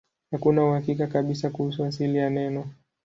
Hakuna uhakika kabisa kuhusu asili ya neno.